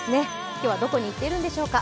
今日はどこに行っているんでしょうか。